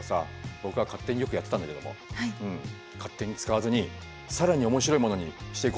僕は勝手によくやってたんだけども勝手に使わずに更に面白いものにしていこうと決めたよ。